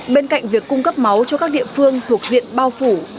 bên cạnh việc cung cấp máu cho các địa phương thuộc diện bao phủ